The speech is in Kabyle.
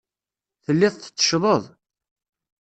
Telliḍ tetteccḍeḍ.